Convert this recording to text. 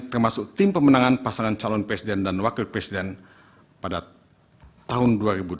termasuk tim pemenangan pasangan calon presiden dan wakil presiden pada tahun dua ribu delapan belas